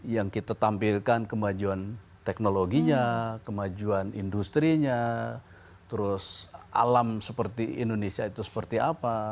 yang kita tampilkan kemajuan teknologinya kemajuan industri nya terus alam seperti indonesia itu seperti apa